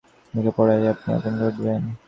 লেখা পড়েই আপনি আঁতকে উঠবেন।